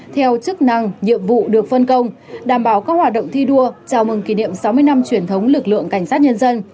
theo chức năng nhiệm vụ được phân công đảm bảo các hoạt động thi đua chào mừng kỷ niệm sáu mươi năm truyền thống lực lượng cảnh sát nhân dân